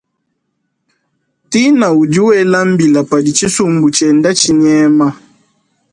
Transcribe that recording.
Tina udi wela mbila padi thsisumbu tshiende thsinyema.